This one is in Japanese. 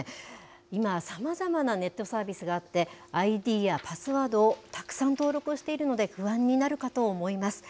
今、さまざまなネットサービスがあって、ＩＤやパスワードをたくさん登録しているので不安になるかと思います。